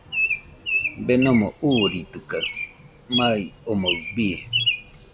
Denomo uuritɨkaɨ, mai omoɨ bii.